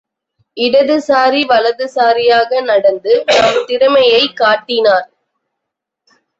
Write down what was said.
இடதுசாரி வலது சாரியாக நடந்து தம் திறமையைக் காட்டினர்.